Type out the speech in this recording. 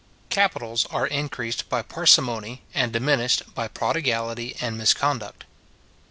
Capitals are increased by parsimony, and diminished by prodigality and misconduct.